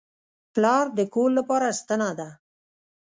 پلار د کور لپاره ستنه ده.